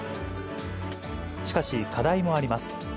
しかし、課題もあります。